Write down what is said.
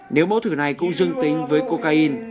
nếu mẫu thử này cũng dưng tính với cocaine